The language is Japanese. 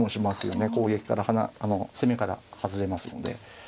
攻撃からあの攻めから外れますので。